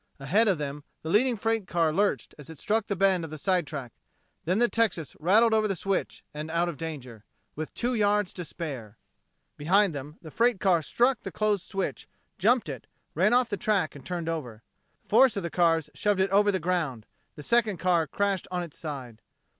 Ahead of them, the leading freight car lurched as it struck the bend of the side track; then the Texas rattled over the switch and out of danger with two yards to spare. Behind them, the freight car struck the closed switch, jumped it, ran off the track and turned over. The force of the cars shoved it over the ground: the second car crashed on its side.